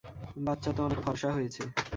বাচ্চা তো অনেক ফর্সা হয়েছে।